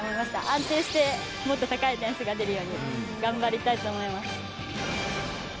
安定してもっと高い点数が出るように頑張りたいと思います。